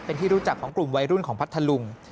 เป็นที่รู้จักของกลุ่มวัยรุ่นของพัทธลุง